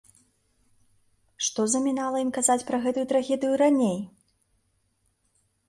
Што замінала ім казаць пра гэту трагедыю раней?